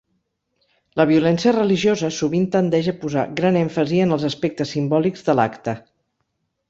La violència religiosa sovint tendeix a posar gran èmfasi en els aspectes simbòlics de l'acte.